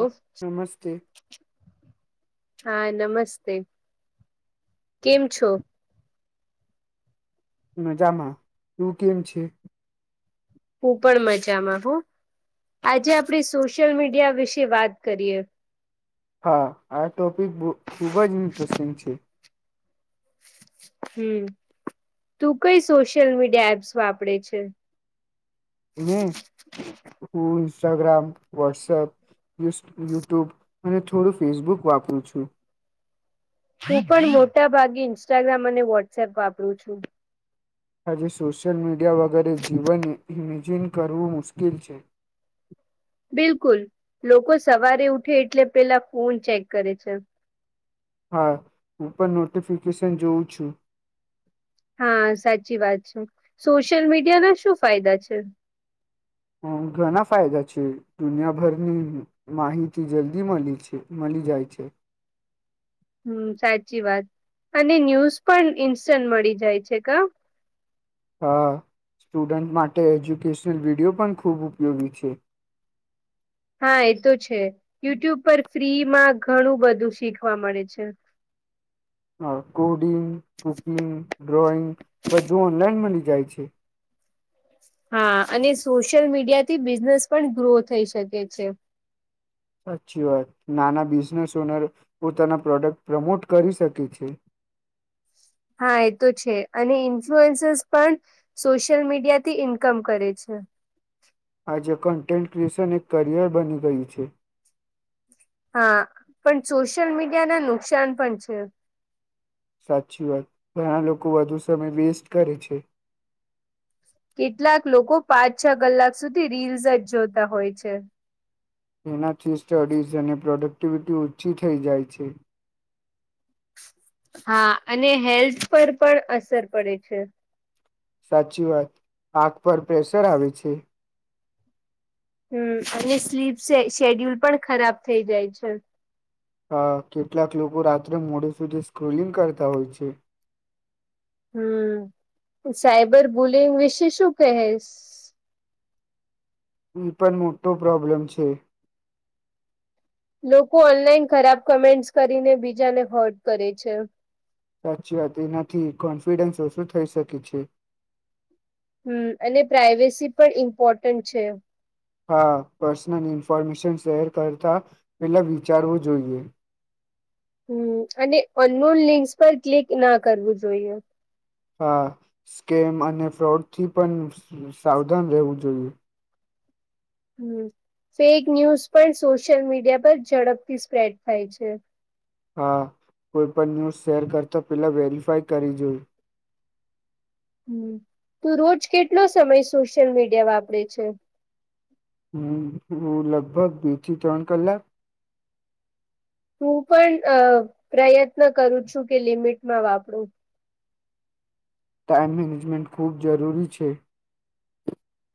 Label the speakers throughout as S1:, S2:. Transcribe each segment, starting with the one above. S1: ઓ નમસ્તે.
S2: હા, નમસ્તે કેમ છો?
S1: મજામાં. તું કેમ છે?
S2: હું પણ મજામાં હું. આજે આપણે સોશિયલ મીડિયા વિશે વાત કરીએ.
S1: હા આ ટોપિક બોહ ખૂબ જ ઇન્ટરેસ્ટિંગ છે.
S2: હમ્મ. તું કઈ સોશિયલ મીડિયા એપ્સ વાપરે છે?
S1: હને હ ઇન્સ્ટાગ્રામ વોટ્સઅપ યુઝ યુટ્યુબ અને થોડું ફેસબુક વાપરું છું
S2: હું પણ મોટા ભાગે ઇન્સ્ટાગ્રામ અને વોટ્સપ વાપરું છું.
S1: આજે સોશિયલ મીડિયા વગેરે જીવન ઇમેજિન કરવું મુશ્કેલ છે.
S2: બિલકુલ લોકો સવારે ઉઠે એટલે પેલા ફોન ચેક કરે છે.
S1: હા હું પણ નોટિફિકેશન જોઉં છું.
S2: હા સાચી વાત છે સોશિયલ મીડિયા ના શું ફાયદા છે.
S1: હ ઘણા ફાયદા છે દુનિયાભરની માહિતી જલ્દી મલી છે મલી જાય છે.
S2: હમ સાચી વાત અને ન્યૂઝ પણ ઈન્સ્ટન્ટ મળી જાય છે ક
S1: હા સ્ટુડન્ટ માટે એજ્યુકેશનલ વિડિયો પણ ખૂબ ઉપયોગી છે.
S2: હા એ તો છે યુટ્યુબ પર ફ્રીમાં ઘણું બધું શીખવા મળે છે.
S1: અ કોડિંગ કુકિંગ ડ્રોઈંગ બધું ઓનલાઈન મળી જાય છે.
S2: હા અને સોશિયલ મીડિયા થી બિઝનેસ પણ ગ્રો થઈ શકે છે.
S1: સાચી વાત નાના બિઝનેસ ઓનર પોતાના પ્રોડક્ટ પ્રમોટ કરી શકે છે.
S2: હા એ તો છે અને ઇન્ફ્લુઅન્સર્સ પણ સોશિયલ મીડિયા થી ઇન્કમ કરે છે.
S1: આજે કન્ટેન્ટ ક્રિએશન એક કરિયર બની ગયું છે.
S2: હા પણ સોશિયલ મીડિયા ના નુકસાન પણ છે.
S1: સાચી વાત ઘણા લોકો વધુ સમય વેસ્ટ કરે છે.
S2: કેટલાક લોકો પાંચ છ કલાક સુધી રીલ્સ જ જોતા હોય છે.
S1: તેનાથી સ્ટડીઝ અને પ્રોડક્ટિવિટી ઓછી થઈ જાય છે.
S2: હા અને હેલ્થ પર પણ અસર પડે છે.
S1: સાચી વાત આખ પર પ્રેશર આવે છે.
S2: હમ અને સ્લીપ શે શેડ્યુલ પણ ખરાબ થઈ જાય છે.
S1: હ કેટલાક લોકો રાત્રે મોડે સુધી સ્ક્રોલિંગ કરતા હોય છે.
S2: હમ સાયબર બુલિંગ વિશે શું કહેશ
S1: એ પણ મોટો પ્રોબ્લમ છે.
S2: લોકો ઓનલાઈન ખરાબ કમેન્ટસ કરીને બીજાને હોટ કરે છે.
S1: સાચી વાત એનાથી કોન્ફિડન્સ ઓછું થઈ શકે છે.
S2: હમ અને પ્રઇવેસી પણ ઇમ્પોર્ટન્ટ છે.
S1: હા પર્સનલ ઈન્ફોર્મેશન શેર કરતા પેલા વિચારવું જોઈએ
S2: હમ અને અન લિંકસ પર ક્લિક ના કરવું જોઈએ
S1: હા સ્કેમ અને ફ્રોડ થી પણ સાવધાન રહેવું જોઈએ
S2: હમ ફેક ન્યૂઝ પણ સોશિયલ મીડિયા પર ઝડપથી સ્પ્રેડ થાય છે.
S1: હા કોઈ પણ ન્યૂઝ શેર કરતા પેલા વેરીફાય કરી જોયું
S2: હમ તો રોજ કેટલો સમય સોશિયલ મીડિયા વાપરે છે.
S1: હમ હુ લગભગ બે થી ત્રણ કલાક
S2: હું પણ અ પ્રયત્ન કરું છું કે લિમિટમાં વાપરું
S1: ટાાઈમ મેનેજમેન્ટ ખૂબ જરૂરી છે.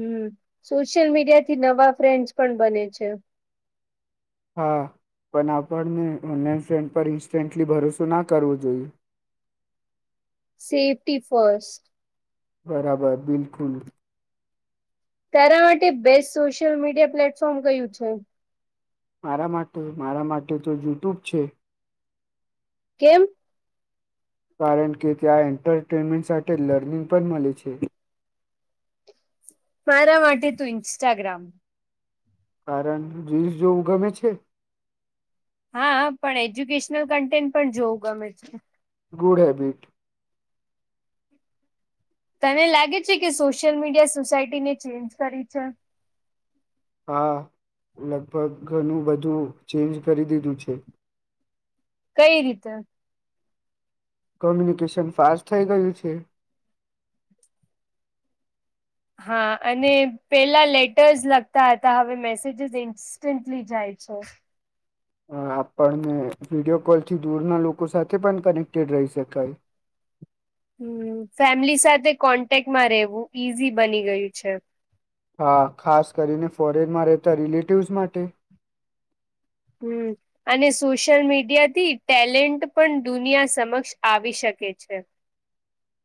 S2: હમ સોશિયલ મીડિયા થી નવા ફ્રેન્ડસ પણ બને છે.
S1: હા પણ આપણને ઓનલાઈન ફેન્ટ પર ઇન્સ્ટન્ટલી ભરોસો ના કરવો જોઈએ
S2: સેફ્ટી ફર્સ્ટ
S1: બરાબર બિલકુલ
S2: તારા માટે બેસ્ટ સોશિયલ મીડિયા પ્લેટફોર્મ કયું છે.
S1: મારા માટે મારા માટે તો યુટ્યુબ છે.
S2: કેમ
S1: કારણ કે ત્યાં એન્ટરટેનમેન્ટ સાથે લર્નિંગ પણ મલે છે.
S2: મારા માટે તો ઇન્સ્ટાગ્રામ
S1: કારણ રીલસ જોવું ગમે છે.
S2: હા પણ એજ્યુકેશનલ કન્ટેન્ટ પણ જોવું ગમે છે.
S1: ગુડ હેબિટ
S2: તને લાગે છે કે સોશિયલ મીડિયા સોસાયટીને ચેન્જ કરી છે
S1: આ લગભગ ઘણું બધું ચેન્જ કરી દીધું છે
S2: કઈ રીતે
S1: કોમ્યુનિકેશન ફાસ્ટ થઈ ગયું છે
S2: હા અને પેલા લેટર્સ લગતા હતા હવે મેસેજસ ઇન્સ્ટન્ટલી જાય છેો
S1: આપણને વિડીિયો કોલ થી દૂરના લોકો સાથે પણ કનેક્ટેડ રહી શકાય
S2: હમ ફેમિલી સાથે કોન્ટેક્ટમાં રહેવું ઈઝી બની ગયું છે
S1: હા ખાસ કરીને ફોરેનમાં રહેતા રિલેટિવસ માટે
S2: હ અને સોશિયલ મીડિયાથી ટેલેન્ટ પણ દુનિયા સમક્ષ આવી શકે છે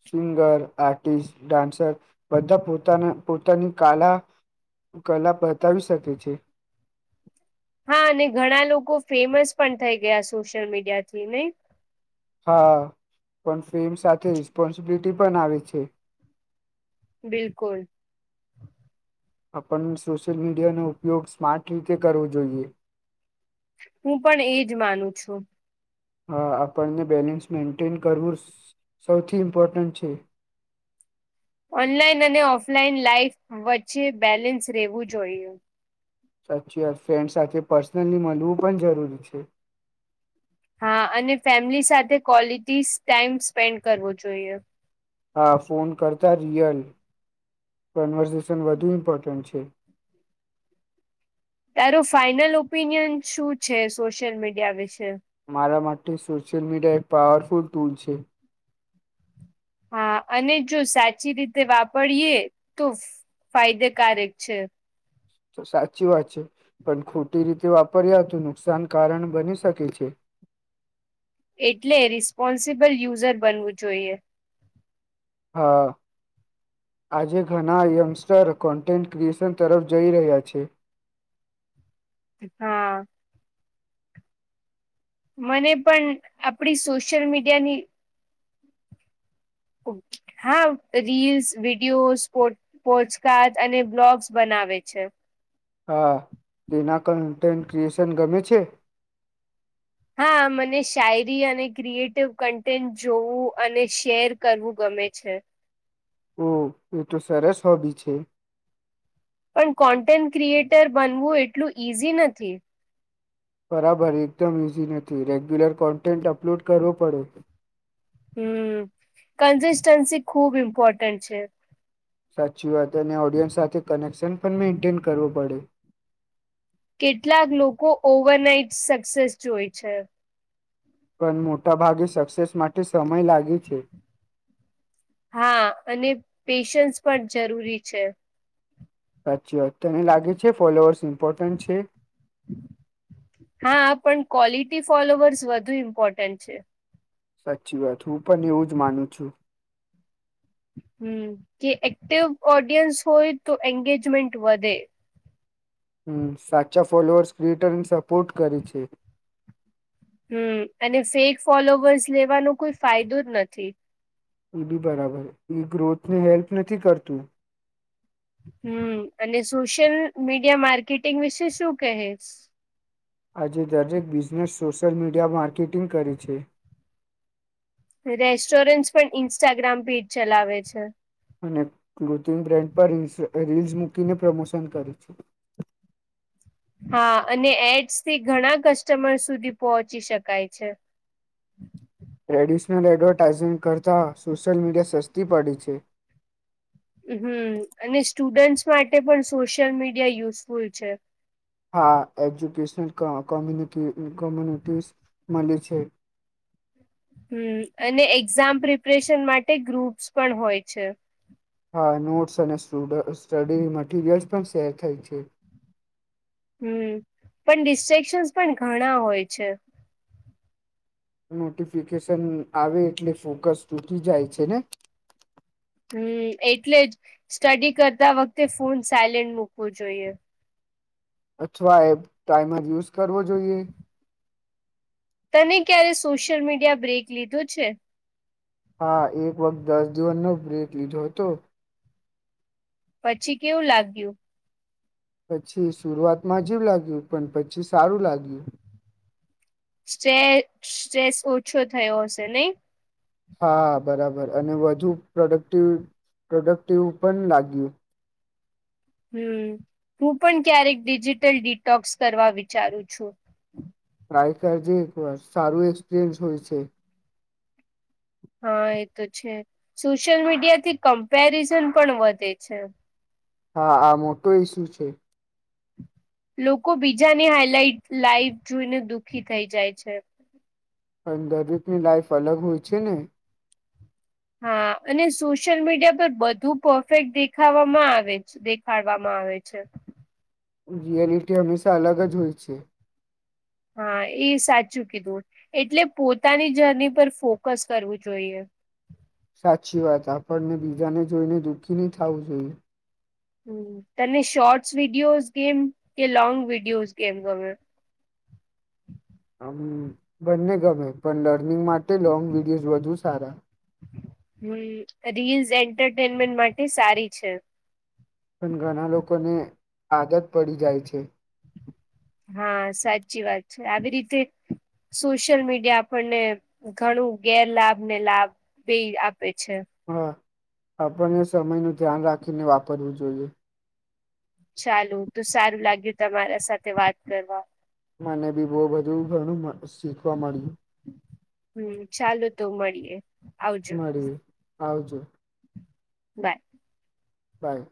S1: સિંગર આર્ટિસ્ટ ડાન્સર બધા પોતાના પોતાની કલા કલા બતાવી શકે છે
S2: હા અને ઘણા લોકો ફેમસ પણ થઈ ગયા સોશિયલ મીડિયા થી નને
S1: હા પણ પ્રેમ સાથે રપોન્સિબિલિટી પણ આવે છે
S2: બિલકુલ
S1: આપણ સોશિયલ મીડિયાનો ઉપયોગ સ્માર્ટ રીતે કરવો જોઈએ
S2: હું પણ એજ માનું છું
S1: હા આપણને બેલેન્સ મેન્ટેન કરવું સૌથી ઇમ્પોર્ટન્ટ છે
S2: ઓનલાઈન અને ઓફલાઈન લાાઈફ વચ્ચે બેલેન્સ રહેવું જોઈએ
S1: સાચી વાત ફ્રેન્ડ સાથે પર્સનલી મળવું પણ જરૂરી છે
S2: હા અને ફેમિલી સાથે ક્વલિટી સ્ટા ટાઈમ સ્પેન્ડ કરવો જોઈએ
S1: હા ફોન કરતા રિયલ કન્વર્ઝેશન વધુ ઇમ્પોર્ટન્ટ છે
S2: તારું ફાાઈનલ ઓપિનિયન શું છે સોશિયલ મીડિયા વિશે
S1: મારા માટે સોશિયલ મીડિયા એક પાવરફુલ ટૂલ છે
S2: હા અને જો સાચી રીતે વાપરીયએ તો ફાયદેકારક છે
S1: તો સાચી વાત છે પણ ખોટી રીતે વાપર્યા નુકસાન કારણ બની શકે છે
S2: એટલે રિસ્પોન્સિબલ યુઝર બનવું જોઈએ
S1: હા આજે ઘણા યંગસ્ટર કોન્ટેન્ટ ક્રિએશન તરફ જઈ રહ્યા
S2: હા મને પણ આપડી સોશિયલ મીડિયાની હા રીલ્સ વિડીયોઝ પોસ્ટકાસ્ટ અને બ્લોગ્સ
S1: હા તેના કન્ટેન્ટ ક્રિએશન
S2: હા મને શાયરી અને ક્રિએટિવ
S1: ઓ એ તો સરસ
S2: પણ કોન્ટેન્ટ ક્રિએટર બનવું એટલું ઈઝી નથી
S1: બરાબર એકદમ ઇઝી નથી રેગ્યુલર કોન્ટેન્ટ અપલોડ કરવો પડે
S2: હમ કન્સિસ્ટન્સી ખૂબ
S1: સાચી વાત ને ઓડિયન્સ સાથે કનેક્શન પણ મેન્ટેન કરવું પડે
S2: કેટલાક લોકો ઓવરનાઈટ સક્સેસ જોઈ છે
S1: પણ મોટાભાગે સક્સેસ માટે સમય લાગે છે
S2: હા અને પેશન્સ
S1: સાચી વાત તેને લાગે છે ફોલોઅર્સ ઈમ્પોટેન્ટ છે
S2: હા પણ ક્વોલિટી ફોલોવર્સ વધુ ઇમ્પોર્ટન્ટ છે
S1: સાચી વાત હું પણ એવું જ માનું છું
S2: હમ કે એક્ટિવ ઓડિયન્સ હોય તો એંગેજમેન્ટ વધે
S1: સાચા ફોલોઅર્સ ટ્વિટરને સપોર્ટ કરે છે
S2: હમ અને ફેક ફોલોવર્સ લેવાનો કોઈ ફાયદો જ નથી
S1: એ બી બરાબર એ ગ્રોથ ને હેલ્પ નથી કરતું
S2: હમ અને સોશિયલ મીડિયા માર્કેટિંગ વિશે શું કહે
S1: આજે દરેક બિઝનેસ સોશિયલ મીડિયા માર્કેટિંગ કરે છે
S2: રેસ્ટોરન્ટસ પણ ઇન્સ્ટાગ્રામ પેજ ચલાવે છે
S1: અને કૃત્રિમ બ્રાન્ડ પર રીલ્સ રીલ્સ મૂકીને પ્રમોશન કરે છે
S2: હા અને એડ્સ થી ઘણા કસ્ટમર સુધી પહોંચી શકાય છે
S1: ટ્રેડિશનલ એડવર્ટાઇઝંગ કરતાં સોશિયલ મીડિયા સસ્તી પડી છે
S2: હમ અને સ્ટુડન્ટ્સ માટે પણ સોશિયલ મીડિયા યુઝફુલ છે
S1: હા એજ્યુકેશનલ કોમ્યું કોમ્યુની કોમ્યુનિટીઝ મળી છે
S2: હમ અને એક્ઝામ પ્રિપરેશન માટે ગ્રુપ્સ પણ હોય છે
S1: હા નોટ્સ અને સ્ટુ સ્ટડી મટીરીયલ્સ પણ શેર થઈ છે
S2: હમ પણ ડિસ્ટ્રેક્શન્સ પણ ઘણા હોય છે
S1: નોટિફિકેશન આવે એટલે ફોકસ તૂટી જાય છે ને
S2: હમ એટલે જ સ્ટડી કરતા વખતે ફોન સાયલેન્ટ મૂકવું જોઈએ
S1: અથવા એ ટાઈમર યુઝ કરવો જોઈએ
S2: તને ક્યારે સોશિયલ મીડિયા બ્રેક લીધું છે
S1: હા એક વખત દસ દિવસનો બ્રેક લીધો હતો
S2: પછી કેવું લાગ્યું
S1: પછી શરૂઆતમાં અજીબ લાગ્યું પણ પછી સારું લાગ્યું
S2: સ્ટ સ્ટ્રેસ ઓછો થયો હશે નહી
S1: હા બરાબર અને વધુ પ્રોડક્ટિવ પ્રોડક્ટિવ પણ લાગ્યું
S2: હમ હું પણ ક્યારેક ડિજિટલ ડિટોક્સ કરવા વિચારું છું
S1: થાય કરજે એક વાર સારું એક્સપિરિયન્સ હોય છે.
S2: હા એ તો છે સોશિયલ મીડિયા થી કમ્પેરિઝન પણ વધે છે.
S1: હા આ મોટો ઈસુ છે.
S2: લોકો બીજાને હાઈલાઈટ લાઈવ જોઈને દુઃખી થઈ જાય છે.
S1: પણ દરેકની લાઈફ અલગ હોય છે ને,
S2: હા અને સોશિયલ મીડિયા પર બધું પરફેક્ટ દેખાવામાં આવે દેખાડવામાં આવે છે.
S1: રિયાલિટી વિષે અલગ જ હોય છે.
S2: હા એ સાચું કીધું એટલે પોતાની જર્ની પર ફોકસ કરવું જોઈએ.
S1: સાચી વાત આપણને બીજાને જોઈને દુઃખી નહ થવું જોઈએ.
S2: તને શોર્ટસ વિડીયોઝ ગેમ કે લોંગ વિડીયોઝ ગેમ ધમે.
S1: હમ બંને ગમે પણ લર્નિંગ માટે લોંગ વિડીયોઝ વધુ સારા.
S2: હમ રીલ્સ એન્ટરટેનમેન્ટ માટે સારી છે.
S1: પણ ઘણા લોકોને આદત પડી જાય છે.
S2: હા સાચી વાત છે આવી રીતે સોશિયલ મીડિયા આપણને ઘણું ગેરલાાભ ને લાભ બેઇ પે છે.
S1: હા આપણને સમય નુ ધ્યાન રાખીને વાપરવું જોઈએ.
S2: ચાલુ તો સારું લાગ્યું તમારા સાથે વાત કરવા.
S1: મને બી બહુ બધું ઘણું મનસ શીખવા માંડ્યું.
S2: હમ ચાલુ તો મળીએ. આવજો.
S1: મળ્યું આવજો.
S2: બાય.
S1: બાય.